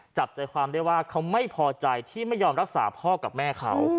จับใจความได้ว่าเขาไม่พอใจที่ไม่ยอมรักษาพ่อกับแม่เขา